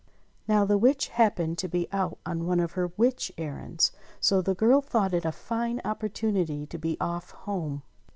Now the witch happened to be out on one of her witch errands ; so the girl thought it a fine opportunity to be off home.